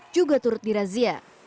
juga turut dirazia